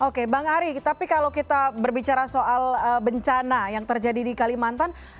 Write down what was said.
oke bang ari tapi kalau kita berbicara soal bencana yang terjadi di kalimantan